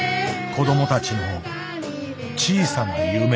子どもたちの小さな夢。